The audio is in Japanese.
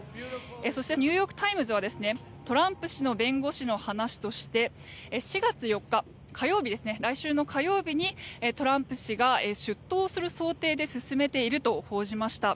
そしてニューヨーク・タイムズはトランプ氏の弁護士の話として４月４日、来週の火曜日にトランプ氏が出頭する想定で進めていると報じました。